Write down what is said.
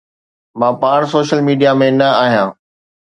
مان پاڻ social media ۾ نه آهيان.